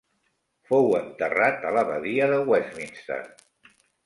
Fou enterrat a l'Abadia de Westminster.